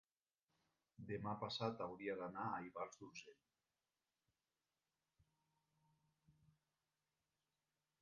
demà passat hauria d'anar a Ivars d'Urgell.